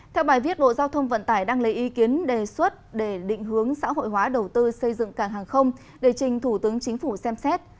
theo bài viết bộ giao thông vận tải đang lấy ý kiến đề xuất để định hướng xã hội hóa đầu tư xây dựng cảng hàng không để trình thủ tướng chính phủ xem xét